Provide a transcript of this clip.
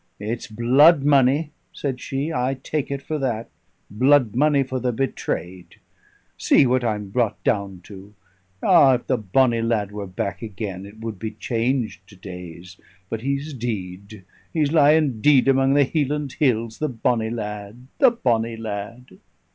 "It's blood money!" said she; "I take it for that: blood money for the betrayed! See what I'm brought down to! Ah, if the bonny lad were back again, it would be changed days. But he's deid he's lyin' deid amang the Hieland hills the bonny lad, the bonny lad!"